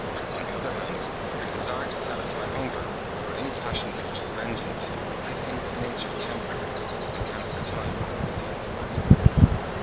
On the other hand, the desire to satisfy hunger, or any passion such as vengeance, is in its nature temporary, and can for a time be fully satisfied.